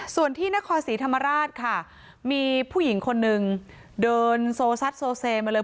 ส่วนที่นครศรีธรรมราชค่ะมีผู้หญิงคนนึงเดินโซซัดโซเซมาเลย